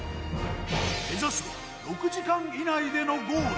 目指すは６時間以内でのゴール。